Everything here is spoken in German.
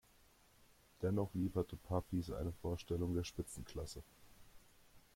Dennoch lieferte Papis eine Vorstellung der Spitzenklasse.